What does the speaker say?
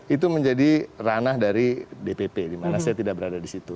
itu menjadi ranah dari dpp di mana saya tidak berada di situ